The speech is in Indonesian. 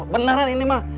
beneran ini ma